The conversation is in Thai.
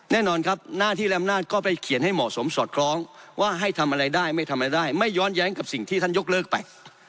แน่นอนครับหน้าที่และอำนาจก็ไปเขียนให้เหมาะสมสอดคล้องว่าให้ทำอะไรได้ไม่ทำอะไรได้ไม่ย้อนแย้งกับสิ่งที่ท่านยกเลิกไป